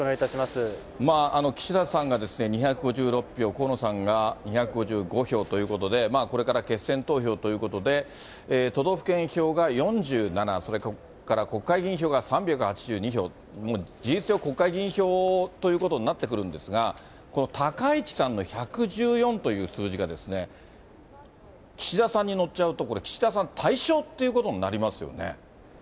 岸田さんがですね、２５６票、河野さんが２５５票ということで、これから決選投票ということで、都道府県票が４７、それから国会議員票が３８２票、もう事実上、国会議員票ということになってくるんですが、この高市さんの１１４という数字がですね、岸田さんに乗っちゃうと、これ、岸田さん大勝っていうことになりますよね。